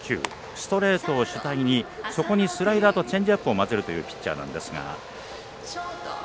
ストレートを主体にそこにスライダーとチェンジアップを交ぜるというピッチャーなんですが。